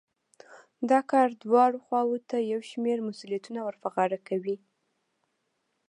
دا کار دواړو خواوو ته يو شمېر مسوليتونه ور په غاړه کوي.